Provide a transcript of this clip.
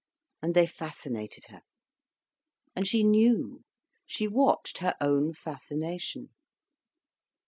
And they fascinated her. And she knew, she watched her own fascination.